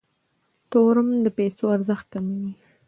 تورم د پیسو ارزښت کموي.